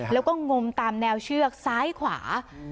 แล้วก็งมตามแนวเชือกซ้ายขวา